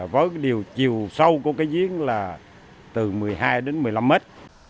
với điều chiều sâu của cái diễn là từ một mươi hai đến một mươi năm mét